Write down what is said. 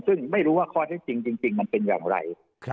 ซึ่งไม่รู้ว่าข้อที่จริงจริงจริงมันเป็นอย่างไรครับ